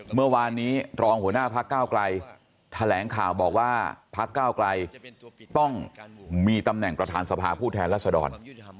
เมื่อวานนี้รองหัวหน้าพักก้าวไกลแถลงข่าวบอกว่าพักก้าวไกลต้องมีตำแหน่งประธานสภาผู้แทนรัศดร